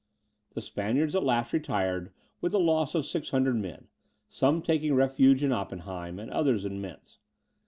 The Spaniards at last retired with the loss of 600 men, some taking refuge in Oppenheim, and others in Mentz.